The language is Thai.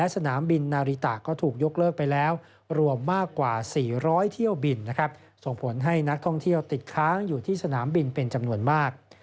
ส่งผลให้นักท่องเที่ยวติดค้างอยู่ที่สนามบินเป็นจำนวนมาก